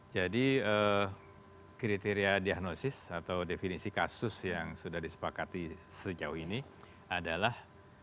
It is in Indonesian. jadi kriteria diagnosis atau definisi kasus yang sudah disepakati sejauh ini adalah